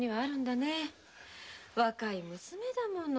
若い娘だもの